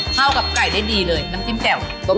เข้ากับไก่ได้ดีเลยน้ำจิ้มแจ่วต้ม